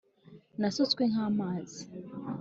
Nasutswe nk amazi